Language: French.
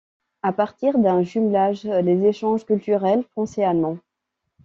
À partir d'un jumelage - les échanges culturels français-allemand.